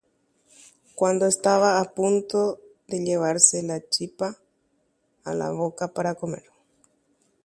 Ha omoingéta jave chipa ijurúpe ho'u hag̃uáicha.